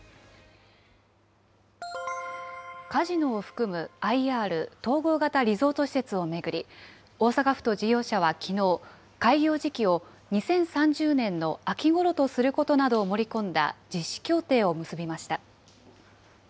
カジノを含むＩＲ・統合型リゾート施設を巡り、大阪府と事業者はきのう、開業時期を２０３０年の秋ごろとすることなどを盛り込んだ実施協定を結びました。